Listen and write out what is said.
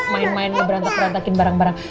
main main ngebeantak berantakin barang barang